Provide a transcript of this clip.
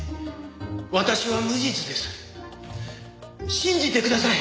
信じてください！